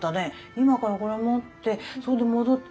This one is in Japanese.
今からこれ持ってそんで戻って。